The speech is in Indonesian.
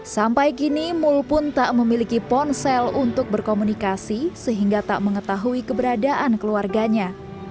sampai kini mul pun tak memiliki ponsel untuk berkomunikasi sehingga tak mengetahui keberadaan keluarganya